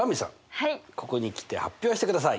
ここに来て発表してください。